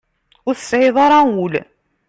Ur tesɛiḍ ara ul.